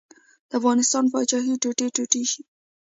د افغانستان پاچاهي ټوټه ټوټه شي.